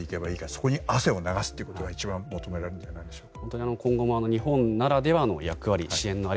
そこに汗を流すことが一番求められるんじゃないでしょうか。